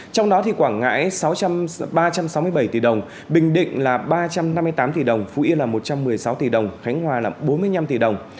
trong đó quảng ngãi sáu ba trăm sáu mươi bảy tỷ đồng bình định là ba trăm năm mươi tám tỷ đồng phú yên là một trăm một mươi sáu tỷ đồng khánh hòa là bốn mươi năm tỷ đồng